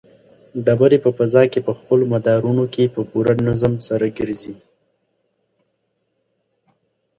ډبرې په فضا کې په خپلو مدارونو کې په پوره نظم سره ګرځي.